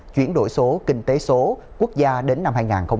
chuyển đổi số kinh tế số quốc gia đến năm hai nghìn hai mươi năm